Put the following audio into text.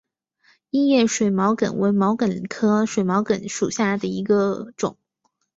硬叶水毛茛为毛茛科水毛茛属下的一个种。